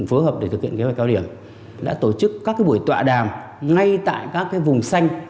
phối hợp để thực hiện kế hoạch cao điểm đã tổ chức các buổi tọa đàm ngay tại các vùng xanh